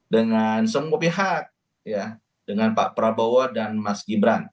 dengan semua pihak dengan pak prabowo dan mas gibran